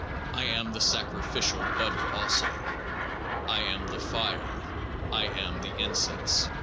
I am the sacrificial butter also. I am the fire. I am the incense.